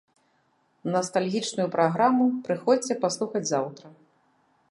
Настальгічную праграму прыходзьце паслухаць заўтра.